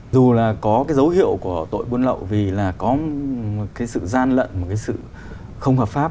dù là có cái dấu hiệu của tội buôn lậu vì là có cái sự gian lận một cái sự không hợp pháp